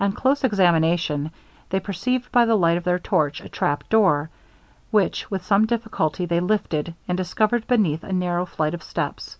On close examination, they perceived by the light of their torch, a trapdoor, which with some difficulty they lifted, and discovered beneath a narrow flight of steps.